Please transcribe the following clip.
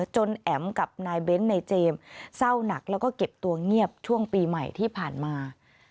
แอ๋มกับนายเบ้นนายเจมส์เศร้าหนักแล้วก็เก็บตัวเงียบช่วงปีใหม่ที่ผ่านมา